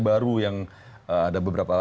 baru yang ada beberapa